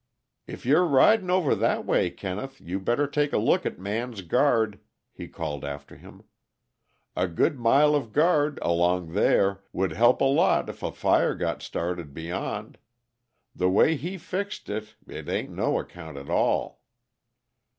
"If you're ridin' over that way, Kenneth, you better take a look at Man's guard," he called after him. "A good mile of guard, along there, would help a lot if a fire got started beyond. The way he fixed it, it ain't no account at all."